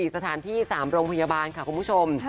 สถานที่๓โรงพยาบาลค่ะคุณผู้ชม